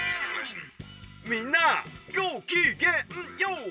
みんなごきげんＹＯ！